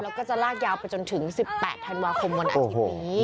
แล้วก็จะลากยาวไปจนถึง๑๘ธันวาคมวันอาทิตย์นี้